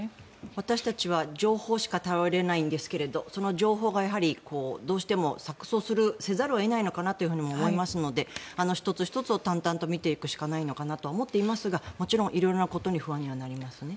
私たちは情報しか頼れないんですがその情報がやはりどうしても錯そうせざるを得ないのかなと思いますので、１つ１つを淡々と見ていくしかないのかなとは思っていますがもちろん色々なことに不安にはなりますね。